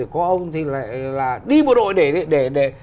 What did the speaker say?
có ông thì lại là đi bộ đội để